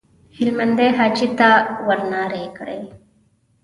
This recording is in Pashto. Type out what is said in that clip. هلمندي حاجي ته ورنارې کړې.